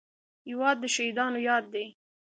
هېواد د شهیدانو یاد دی.